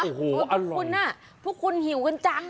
พวกคุณอ่ะพวกคุณหิวกันจัง